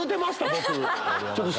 僕。